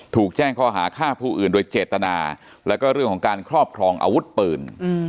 ถูกแจ้งข้อหาฆ่าผู้อื่นโดยเจตนาแล้วก็เรื่องของการครอบครองอาวุธปืน